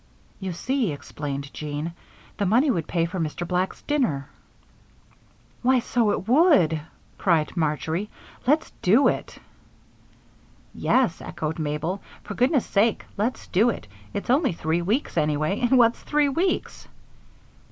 "You see," explained Jean, "the money would pay for Mr. Black's dinner." "Why, so it would," cried Marjory. "Let's do it." "Yes," echoed Mabel, "for goodness' sake, let's do it. It's only three weeks, anyway, and what's three weeks!"